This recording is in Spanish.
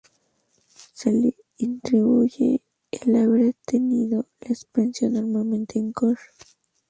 Se le atribuye el haber detenido la expansión Normanda en Connacht.